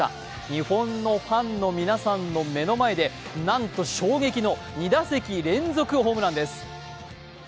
日本のファンの皆さんの目の前で、なんと衝撃の２打席連続ホームランです。